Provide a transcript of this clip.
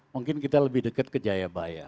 mungkin kita lebih dekat ke jayabaya